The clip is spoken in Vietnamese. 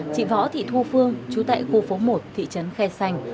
chị võ thị thu phương chú tại khu phố một thị trấn khe xanh